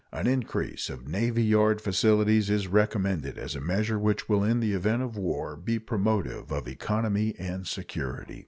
An increase of navy yard facilities is recommended as a measure which will in the event of war be promotive of economy and security.